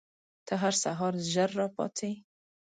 ته هر سهار ژر راپاڅې؟